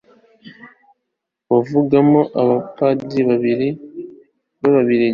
wavugamo abapadiri babiri b'ababiligi